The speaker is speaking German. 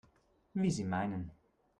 Wie Sie meinen.